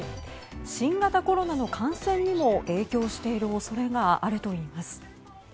新型コロナの感染にも影響している恐れがあるといいます。